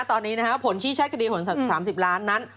ตอนนี้นะครับผลชี้ชัดคดีผล๓๐ล้านนั้น